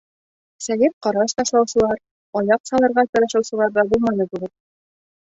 Сәйер ҡараш ташлаусылар, аяҡ салырға тырышыусылар ҙа булманы түгел.